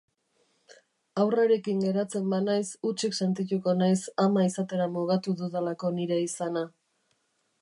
Haurrarekin geratzen banaiz hutsik sentituko naiz ama izatera mugatu dudalako nire izana.